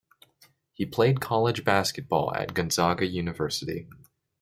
He played college basketball at Gonzaga University.